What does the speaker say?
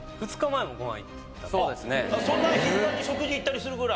そんな頻繁に食事行ったりするぐらい。